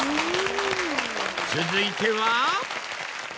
続いては。